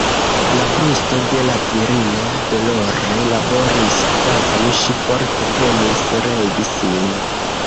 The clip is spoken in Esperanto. La brusto de la virino dolore laboris, kvazaŭ ŝi forte penis regi sin.